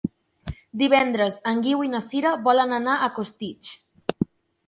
Divendres en Guiu i na Sira volen anar a Costitx.